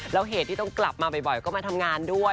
แล้วเหตุที่ต้องกลับมาบ่อยก็มาทำงานด้วย